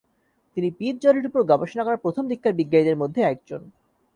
তিনি পীতজ্বরের উপর গবেষণা করা প্রথমদিককার বিজ্ঞানীদের মধ্যে একজন।